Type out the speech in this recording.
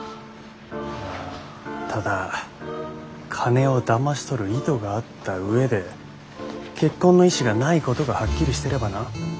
んただ金をだまし取る意図があったうえで結婚の意思がないことがはっきりしてればな。